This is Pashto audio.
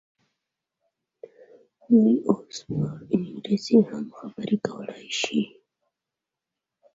دوی اوس پر انګلیسي هم خبرې کولای شي.